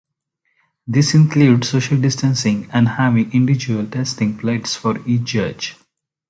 This includes social distancing and having individual tasting plates for each judge.